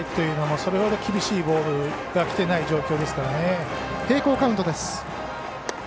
それほど厳しいボールがきていない状況ですからね。